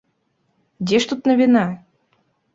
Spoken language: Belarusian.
Дзе ж тут навіна?